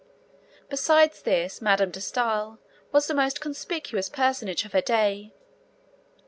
Besides this, Madame de Stael was the most conspicuous personage of her day.